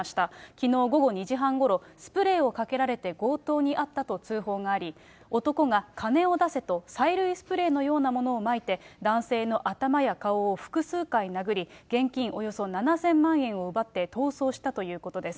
きのう午後２時半ごろ、スプレーをかけられて強盗に遭ったと通報があり、男が金を出せと、催涙スプレーのようなものをまいて、男性の頭や顔を複数回殴り、現金およそ７０００万円を奪って逃走したということです。